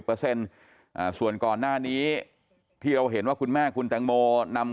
ส่วนก่อนหน้านี้ที่เราเห็นว่าคุณแม่คุณแตงโมนำ